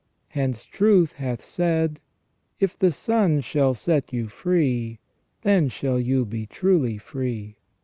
Hence truth hath said :' If the Son shall set you free, then shall you be truly free